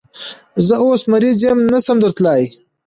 زه اوس مریض یم، نشم درتلای